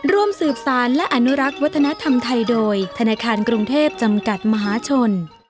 ร่วมสืบสารและอนุรักษ์วัฒนธรรมไทยโดยธนาคารกรุงเทพจำกัดมหาชน